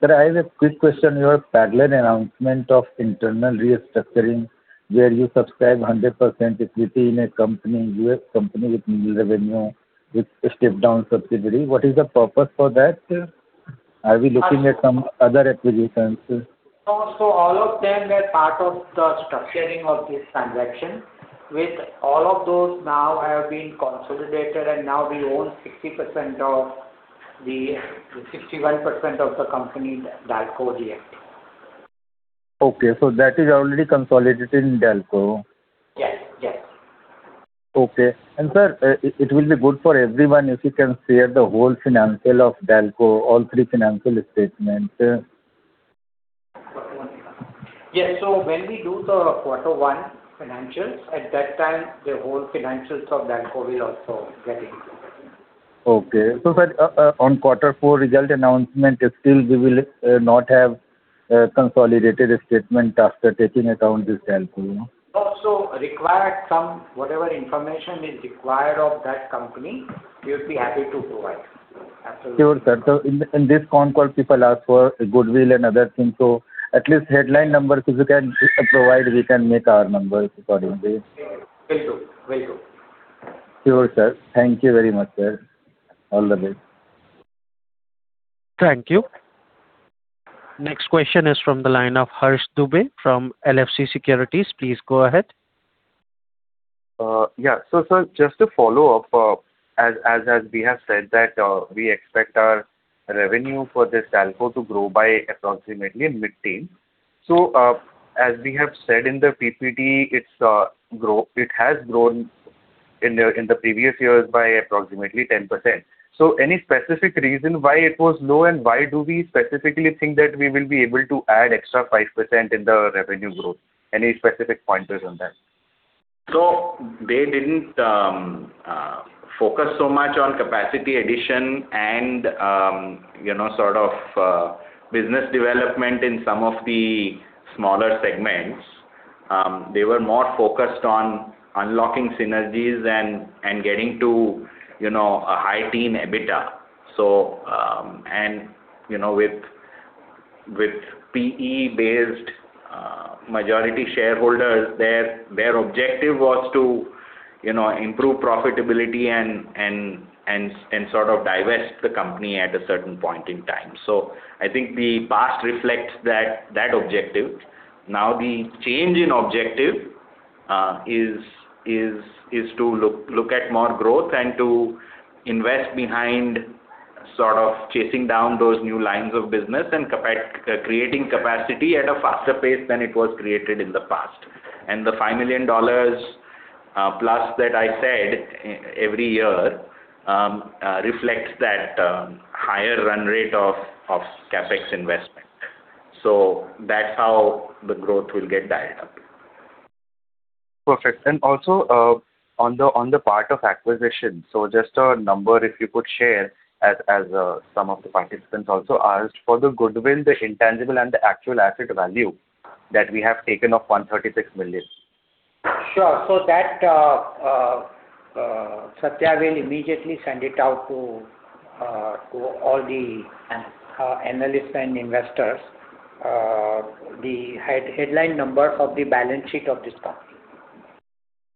Sir, I have a quick question. Your parallel announcement of internal restructuring, where you subscribe 100% equity in a company, U.S. company with nil revenue, with a step-down subsidiary. What is the purpose for that, sir? Are we looking at some other acquisitions, sir? No, all of them were part of the structuring of this transaction. With all of those now have been consolidated, and now we own 61% of the company Dalco-GFT. Okay. That is already consolidated in Dalco. Yes. Yes. Okay. Sir, it will be good for everyone if you can share the whole financial of Dalco, all three financial statements. Yes. When we do the quarter one financials, at that time, the whole financials of Dalco will also get included. Okay. sir, on quarter four result announcement, still we will not have consolidated statement after taking account this Dalco, no? No. Required whatever information is required of that company, we'll be happy to provide. Absolutely. Sure, sir. In this con call, people ask for goodwill and other things. At least headline numbers if you can provide, we can make our numbers accordingly. Will do. Will do. Sure, sir. Thank you very much, sir. All the best. Thank you. Next question is from the line of Harsh Dubey from LFC Securities. Please go ahead. Sir, just to follow up, as we have said that, we expect our revenue for this Dalco to grow by approximately mid-teen. As we have said in the PPT, it has grown in the previous years by approximately 10%. Any specific reason why it was low and why do we specifically think that we will be able to add extra 5% in the revenue growth? Any specific pointers on that? They didn't, you know, focus so much on capacity addition and, you know, sort of, business development in some of the smaller segments. They were more focused on unlocking synergies and getting to, you know, a high-teen EBITDA. You know, With PE-based majority shareholders, their objective was to, you know, improve profitability and sort of divest the company at a certain point in time. I think the past reflects that objective. The change in objective is to look at more growth and to invest behind sort of chasing down those new lines of business and CapEx creating capacity at a faster pace than it was created in the past. The INR 5 million plus that I said every year reflects that higher run rate of CapEx investment. That's how the growth will get dialed up. Perfect. On the part of acquisition, just a number if you could share as some of the participants also asked for the goodwill, the intangible and the actual asset value that we have taken of $136 million. Sure. That Satya will immediately send it out to all the analysts and investors, the headline number of the balance sheet of this company.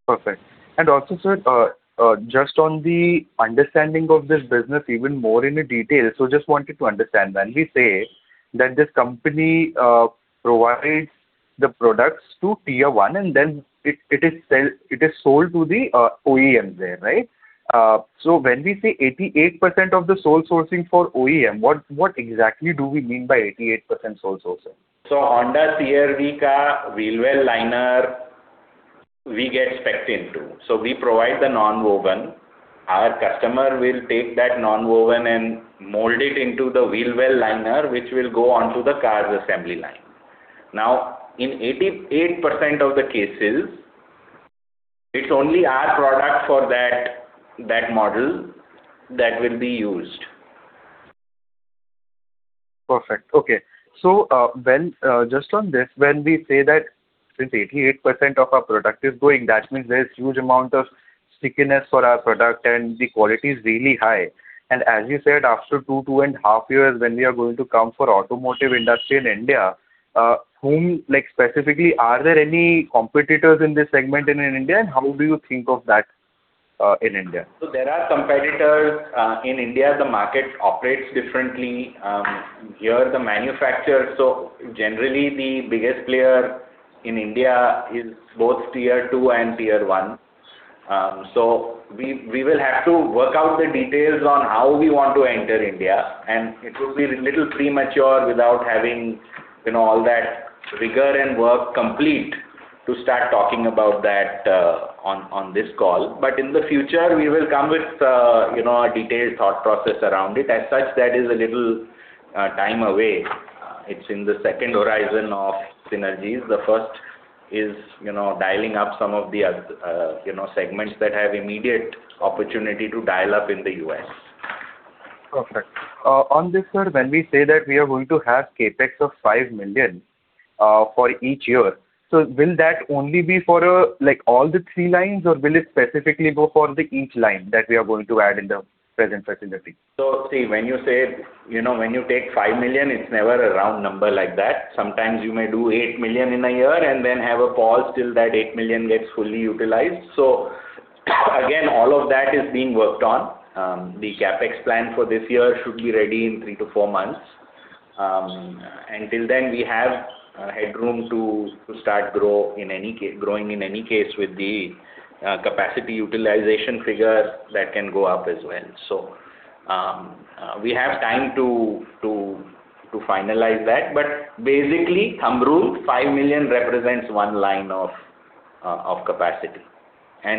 Perfect. Also, sir, just on the understanding of this business even more in detail. Just wanted to understand. When we say that this company provides the products to Tier 1 and then it is sold to the OEM there, right? When we say 88% of the sole sourcing for OEM, what exactly do we mean by 88% sole sourcing? Honda CR-V wheel well liner, we get specced into. We provide the nonwoven. Our customer will take that nonwoven and mold it into the wheel well liner, which will go onto the car's assembly line. Now, in 88% of the cases, it's only our product for that model that will be used. Perfect. Okay. When, just on this, when we say that since 88% of our product is going, that means there is huge amount of stickiness for our product and the quality is really high. As you said, after 2.5 years, when we are going to come for automotive industry in India, whom, like specifically, are there any competitors in this segment in India? How do you think of that in India? There are competitors. In India, the market operates differently. Here the manufacturers generally, the biggest player in India is both Tier 2 and Tier 1. We will have to work out the details on how we want to enter India, and it would be a little premature without having, you know, all that rigor and work complete to start talking about that on this call. In the future, we will come with, you know, a detailed thought process around it. As such, that is a little time away. It's in the second horizon of synergies. The first is, you know, dialing up some of the, you know, segments that have immediate opportunity to dial up in the U.S. Perfect. On this, sir, when we say that we are going to have CapEx of 5 million for each year, will that only be for like all the three lines or will it specifically go for the each line that we are going to add in the present facility? See, when you say, when you take 5 million, it's never a round number like that. Sometimes you may do 8 million in a year and then have a pause till that 8 million gets fully utilized. Again, all of that is being worked on. The CapEx plan for this year should be ready in three to four months. Until then, we have headroom to start growing, in any case, with the capacity utilization figure that can go up as well. We have time to finalize that. Basically, thumb rule, 5 million represents one line of capacity.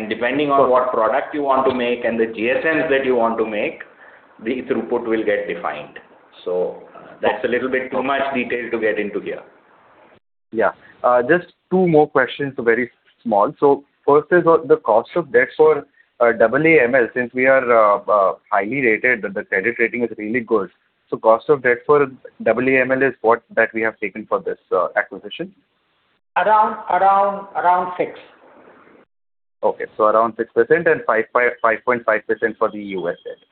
Depending on what product you want to make and the GSM that you want to make, the throughput will get defined. That's a little bit too much detail to get into here. Yeah. Just two more questions, very small. First is on the cost of debt for AAML. Since we are highly rated, the credit rating is really good. Cost of debt for AAML is what that we have taken for this acquisition? Around six. Okay. around 6% and 5.5% for the U.S. entity,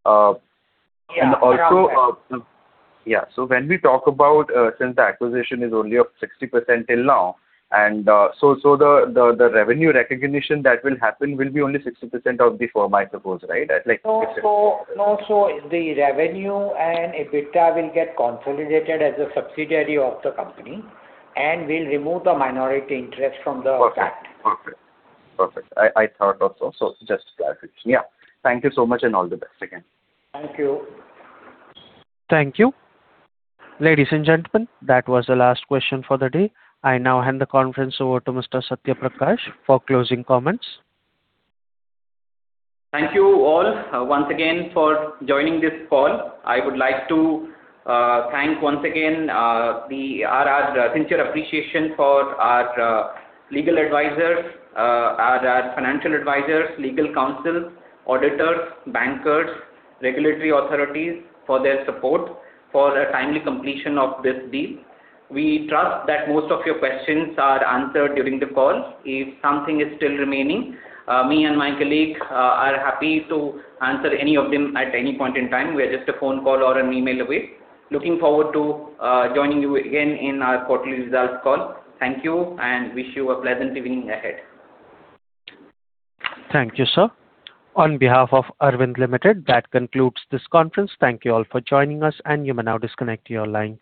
right? Yeah. Around that. Yeah. When we talk about, since the acquisition is only of 60% till now, and so the revenue recognition that will happen will be only 60% of the firm, I suppose, right? The revenue and EBITDA will get consolidated as a subsidiary of the company, and we'll remove the minority interest from the fact. Perfect. Perfect. Perfect. Just clarified. Yeah. Thank you so much and all the best again. Thank you. Thank you. Ladies and gentlemen, that was the last question for the day. I now hand the conference over to Mr. Satya Prakash Mishra for closing comments. Thank you all once again for joining this call. I would like to thank once again our sincere appreciation for our legal advisors, our financial advisors, legal counsel, auditors, bankers, regulatory authorities for their support for a timely completion of this deal. We trust that most of your questions are answered during the call. If something is still remaining, me and my colleague are happy to answer any of them at any point in time. We are just a phone call or an email away. Looking forward to joining you again in our quarterly results call. Thank you, and wish you a pleasant evening ahead. Thank you, sir. On behalf of Arvind Limited, that concludes this conference. Thank you all for joining us, and you may now disconnect your line.